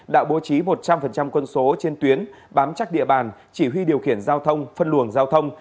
đã bố trí một trăm linh quân số trên tuyến bám chắc địa bàn chỉ huy điều khiển giao thông phân luồng giao thông